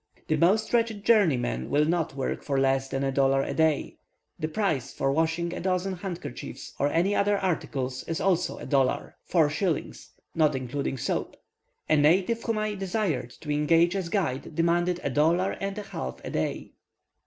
The most wretched journeyman will not work for less than a dollar a day; the price for washing a dozen handkerchiefs, or any other articles, is also a dollar (4s.), not including soap. A native, whom I desired to engage as guide, demanded a dollar and a half a day.